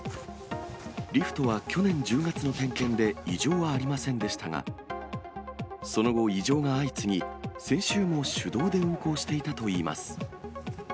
リフトは去年１０月の点検で異常はありませんでしたが、その後、異常が相次ぎ、先週も手動で運行していたといいます。